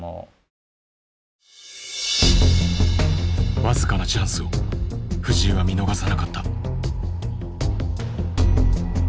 僅かなチャンスを藤井は見逃さなかった。